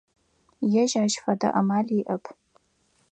Ежь ащ фэдэ амал иӏэп.